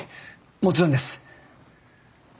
もちろんです。